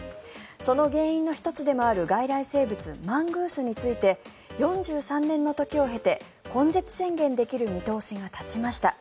その原因の１つでもある外来生物マングースについて４３年の時を経て根絶宣言できる見通しが立ちました。